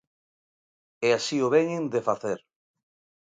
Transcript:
E así o veñen de facer.